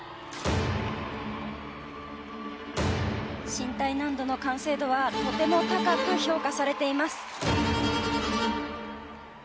身体難度の完成度はとても高く評価されています。